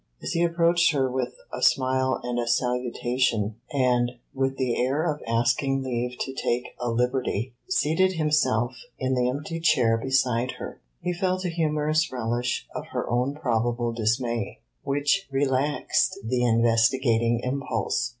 As he approached her with a smile and a salutation, and, with the air of asking leave to take a liberty, seated himself in the empty chair beside her, he felt a humorous relish of her own probable dismay which relaxed the investigating impulse.